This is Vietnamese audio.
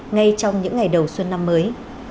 ngay trong những ngày đầu xuân năm mới